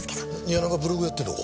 谷中ブログやってんのか？